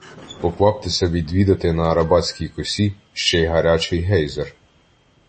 Покваптеся відвідати на Арабатській косі ще й гарячий гейзер